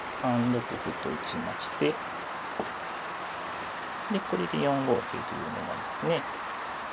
３六歩と打ちましてでこれで４五桂という狙いですね。